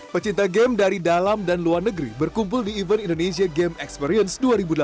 pecinta game dari dalam dan luar negeri berkumpul di event indonesia game experience dua ribu delapan belas